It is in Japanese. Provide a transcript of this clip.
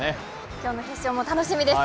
今日の決勝も楽しみです。